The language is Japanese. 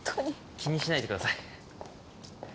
気にしないでください。